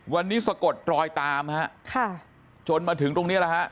วันนี้สะกดรอยตามฮะค่ะจนมาถึงตรงนี้แหละฮะ